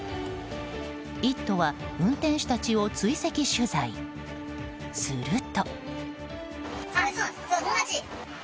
「イット！」は運転手たちを追跡取材、すると。